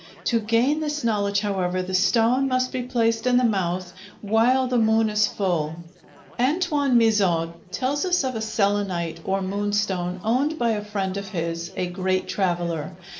To gain this knowledge, however, the stone must be placed in the mouth while the moon is full. Antoine Mizauld tells us of a selenite or moonstone owned by a friend of his, a great traveller.